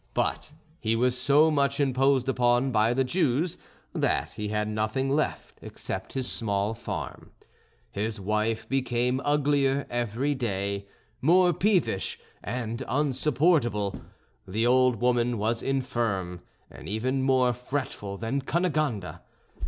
But he was so much imposed upon by the Jews that he had nothing left except his small farm; his wife became uglier every day, more peevish and unsupportable; the old woman was infirm and even more fretful than Cunegonde.